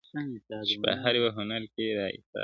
چي په هر يوه هنر کي را ايسار دی,